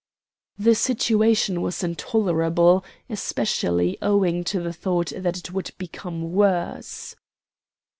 The situation was intolerable, especially owing to the thought that it would become worse.